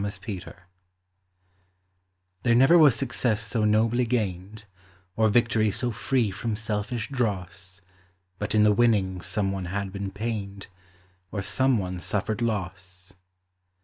SUN SHADOWS There never was success so nobly gained, Or victory so free from selfish dross, But in the winning some one had been pained Or some one suffered loss.